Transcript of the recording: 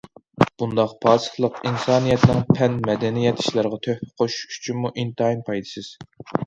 بۇنداق پاسىقلىق ئىنسانىيەتنىڭ پەن- مەدەنىيەت ئىشلىرىغا تۆھپە قوشۇش ئۈچۈنمۇ ئىنتايىن پايدىسىز.